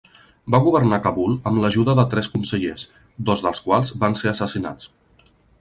Va governar Kabul amb l'ajuda de tres consellers, dos dels quals van ser assassinats.